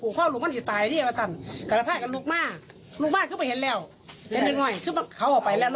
ลูกบ้านเข้าไปเห็นแล้วเห็นเป็นไงเข้าออกไปแล้วรถพูดซอยออกไปแล้ว